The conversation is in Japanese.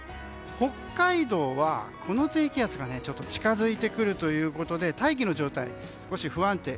北海道はこの低気圧が近づいてくるということで大気の状態、少し不安定。